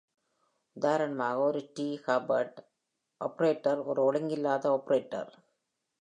உதாரணமாக, ஒரு டீ ஹூஃப்ட் ஆபரேட்டர் ஒரு ஒழுங்கில்லாத ஆபரேட்டர்.